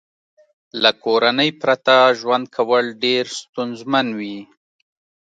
له کورنۍ پرته ژوند کول ډېر ستونزمن وي